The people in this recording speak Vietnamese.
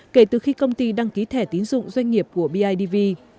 kể từ khi công ty đăng ký thẻ tín dụng doanh nghiệp của bidv